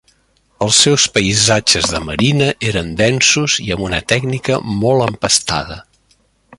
Els seus paisatges de marina eren densos i amb una tècnica molt empastada.